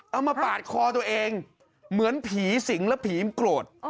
มาปาดคอตัวเองเหมือนผีสิงและผีโกรธ